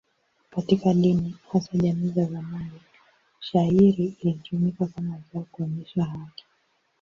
Katika dini, hasa jamii za zamani, shayiri ilitumika kama zao kuonyesha haki.